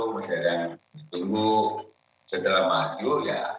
masih ada yang ditunggu setelah maju